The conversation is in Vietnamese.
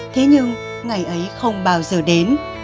thế nhưng ngày ấy không bao giờ đến